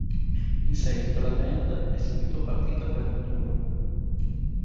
In seguito la band è subito partita per un tour.